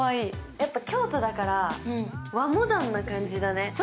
やっぱ京都だから和モダンな感じだね。